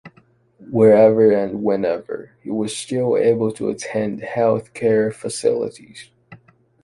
Wherever and whenever, he was always able to attend healthcare facilities.